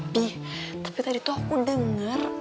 bi tapi tadi tuh aku denger